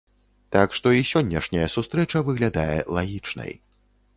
Так што і сённяшняя сустрэча выглядае лагічнай.